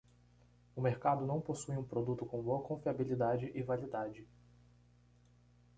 O mercado não possui um produto com boa confiabilidade e validade.